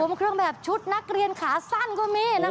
สวมเครื่องแบบชุดนักเรียนขาสั้นก็มี